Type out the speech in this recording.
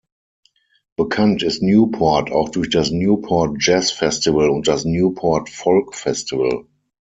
Bekannt ist Newport auch durch das Newport Jazz Festival und das Newport Folk Festival.